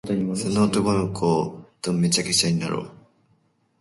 出店